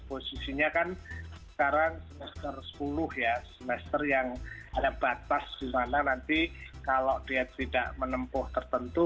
posisinya kan sekarang semester sepuluh ya semester yang ada batas di mana nanti kalau dia tidak menempuh tertentu